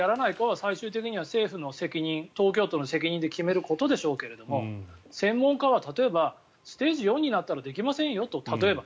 最終的には政府の責任、東京都の責任で決めることでしょうけども専門家は例えば、ステージ４になったらできませんよと。